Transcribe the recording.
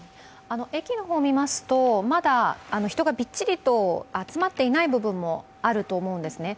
駅の方を見ますと、まだ人がびっちりと集まっていない部分もあると思うんですね。